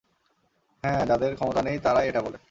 হ্যাঁ, যাদের ক্ষমতা নেই, তারাই এটা বলে।